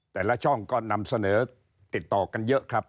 แต่ละช่องก็นำเสนอติดต่อกันเยอะครับ